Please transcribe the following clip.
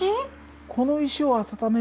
この石を温めるのにね